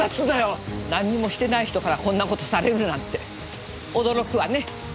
なんにもしてない人からこんな事されるなんて驚くわね。